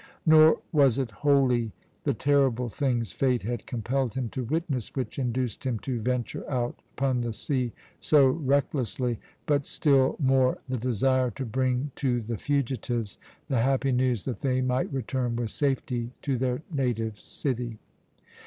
Nor was it wholly the terrible things Fate had compelled him to witness which induced him to venture out upon the sea so recklessly, but still more the desire to bring to the fugitives the happy news that they might return with safety to their native city.